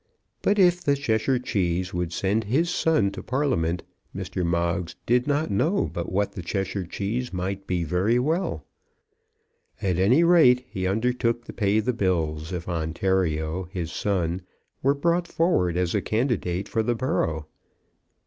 But if the Cheshire Cheese would send his son to Parliament, Mr. Moggs did not know but what the Cheshire Cheese might be very well. At any rate, he undertook to pay the bills, if Ontario, his son, were brought forward as a candidate for the borough.